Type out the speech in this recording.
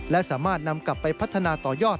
และสามารถนำกลับไปพัฒนาต่อยอด